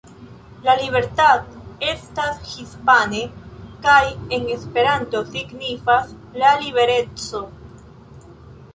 La Libertad estas hispane kaj en Esperanto signifas "La libereco".